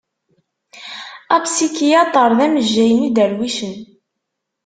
Apsikyatr d amejjay n idarwicen.